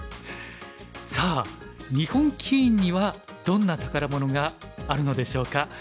さあ日本棋院にはどんな宝物があるのでしょうか。